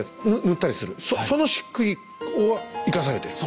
塗ったりするそのしっくいを生かされてる。